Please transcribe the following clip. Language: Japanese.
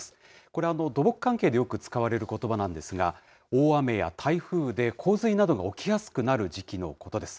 これ、土木関係でよく使われることばなんですが、大雨や台風で洪水などが起きやすくなる時期のことです。